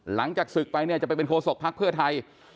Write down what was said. หลังจากศึกไปเนี่ยจะไปเป็นโคศกภักดิ์เพื่อไทย